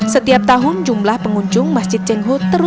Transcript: setiap tahun jumlah pengunjung masjid cenghu